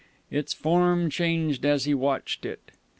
Its form changed as he watched it.